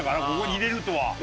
ここに入れるとは。